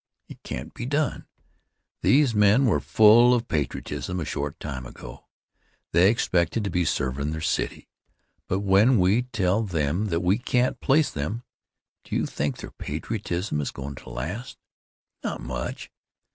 It can't be done. These men were full of patriotism a short time ago. They expected to be servin' their city, but when we tell them that we can't place them, do you think their patriotism is goin' to last? Not much.